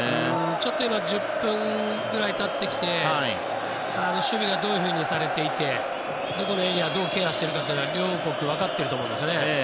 ちょっと１０分ぐらい経ってきて守備がどういうふうにされていてどこでエリアをどうケアしていくかというのは両国、分かっていると思うんですよね。